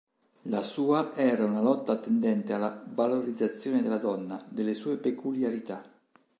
La sua era una lotta tendente alla valorizzazione della donna, delle sue peculiarità.